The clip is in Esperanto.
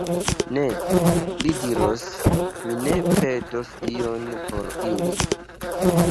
Ne, li diros, mi ne petos Dion por ili!